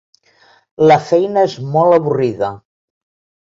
La feina és molt avorrida.